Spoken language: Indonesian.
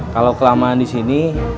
kalau kelamaan ini aku akan berubah